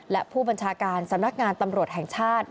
และผู้บัญชาการสำนักงานตำรวจแห่งชาติ